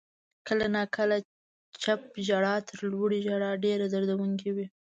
• کله ناکله چپ ژړا تر لوړې ژړا ډېره دردونکې وي.